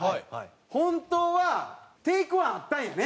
本当はテイク１あったんやね。